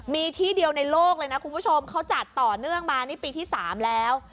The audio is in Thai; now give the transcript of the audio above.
มีที่เดียวในโลกเลยนะคุณผู้ชมเขาจัดต่อเนื่องมานี่ปีที่๓แล้ว